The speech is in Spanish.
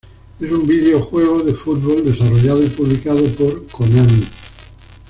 Es un videojuego de fútbol desarrollado y publicado por Konami.